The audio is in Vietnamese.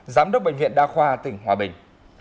giám đốc bệnh viện đa khoa tỉnh hòa bình